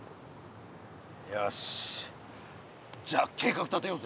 よしじゃあ計画立てようぜ。